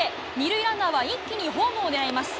２塁ランナーは一気にホームを狙います。